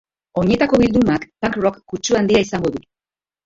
Oinetako bildumak punk-rock kutsu handia izango du.